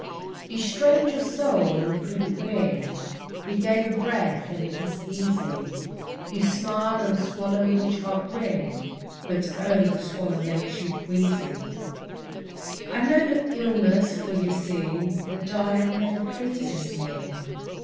You strained your soul and couldn't win; He gave a breath and it was easy. You smile and swallow your chagrin, But, oh, the swallow makes you queasy. I know your illness, for, you see, The diet never pleases me.